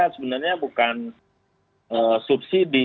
sebenarnya bukan subsidi